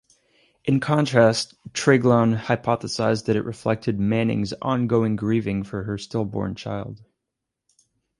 In contrast, Treglown hypothesised that it reflected Manning's ongoing grieving for her stillborn child.